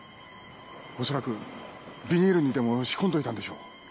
おそらくビニールにでも仕込んどいたんでしょう。